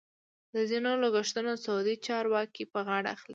د ځینو لګښتونه سعودي چارواکي په غاړه اخلي.